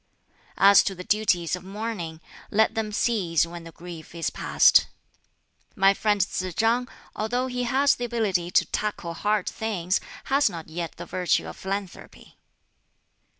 "As to the duties of mourning, let them cease when the grief is past. "My friend Tsz chang, although he has the ability to tackle hard things, has not yet the virtue of philanthropy."